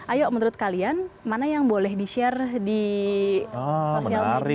ayo menurut kalian mana yang boleh di share di sosial media